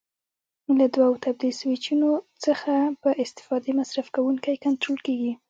له دوو تبدیل سویچونو څخه په استفادې مصرف کوونکی کنټرول کېږي.